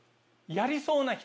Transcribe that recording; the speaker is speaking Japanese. やりそうな人？